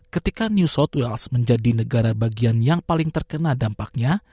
ketika new south wales menjadi negara bagian yang paling terkena dampaknya